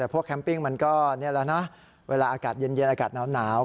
พวกแคมปิ่งมันก็เวลาเย็นอากาศหนาว